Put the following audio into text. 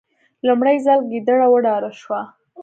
لومړی ځل ګیدړه وډار شوه.